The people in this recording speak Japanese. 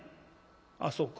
「あそうか。